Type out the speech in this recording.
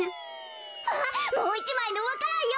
あっもう１まいのわか蘭よ！